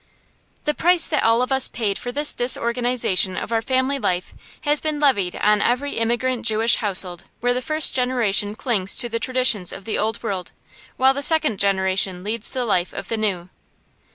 The price that all of us paid for this disorganization of our family life has been levied on every immigrant Jewish household where the first generation clings to the traditions of the Old World, while the second generation leads the life of the New.